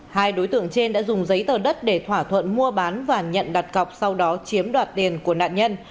hai đối tượng trên đã dùng giấy tờ đất để thỏa thuận mua bán và nhận đặt cọc sau đó chiếm đoạt tiền của nạn nhân